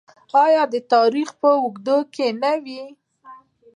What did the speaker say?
آیا د تاریخ په اوږدو کې نه وي؟